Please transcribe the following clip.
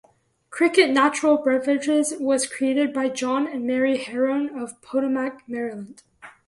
Cricket Natural Beverages was created by John and Mary Heron of Potomac, Maryland.